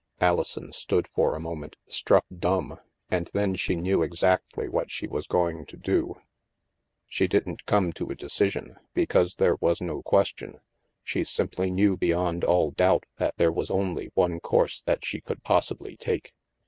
Alison stood for a moment, struck dumb, and then she knew exactly what she was going to do. She didn't come to a decision, because there was no question. She simply knew beyond all doubt that there was only one course that she could possibly take.